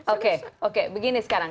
oke oke begini sekarang